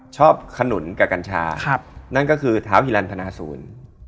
ขนุนกับกัญชานั่นก็คือท้าวฮิลันทนาศูนย์